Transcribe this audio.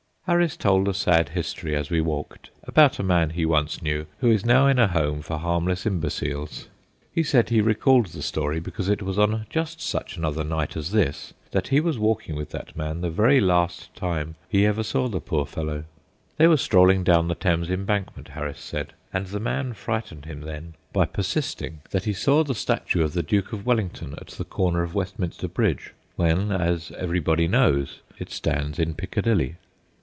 Harris told a sad history, as we walked, about a man he once knew, who is now in a home for harmless imbeciles. He said he recalled the story because it was on just such another night as this that he was walking with that man the very last time he ever saw the poor fellow. They were strolling down the Thames Embankment, Harris said, and the man frightened him then by persisting that he saw the statue of the Duke of Wellington at the corner of Westminster Bridge, when, as everybody knows, it stands in Piccadilly.